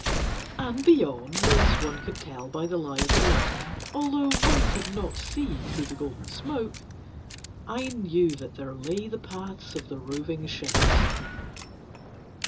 And beyond, as one could tell by the lie of land although one could not see through the golden smoke, I knew that there lay the paths of the roving ships.